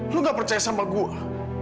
lu gak percaya sama gue